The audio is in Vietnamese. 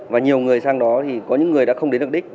và nhiều người sang đó thì có những người đã không đến được đích